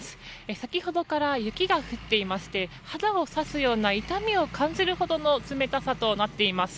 先ほどから雪が降っていまして肌を刺すような痛みを感じるほどの冷たさとなっています。